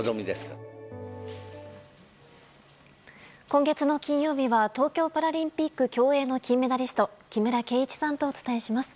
今月の金曜日は東京パラリンピック競泳の金メダリスト木村敬一さんとお伝えします。